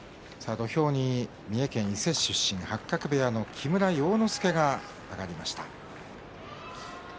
土俵に三重県伊勢市出身八角部屋の木村要之助が上がりました。